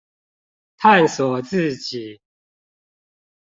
探索自己